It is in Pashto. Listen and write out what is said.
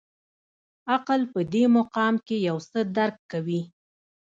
عقل په دې مقام کې یو څه درک کوي.